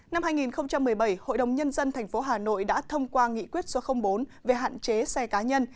năm hai nghìn một mươi bảy hội đồng nhân dân tp hà nội đã thông qua nghị quyết số bốn về hạn chế xe cá nhân